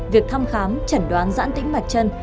việc thăm khám chẩn đoán dãn tĩnh mạch chân